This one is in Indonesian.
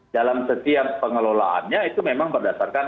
dalam setiap pengelolaannya itu memang berdasarkan